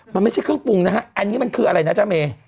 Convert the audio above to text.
มันไม่ใช่เครื่องปรุงนะฮะอันนี้มันคืออะไรนะจ๊ะเม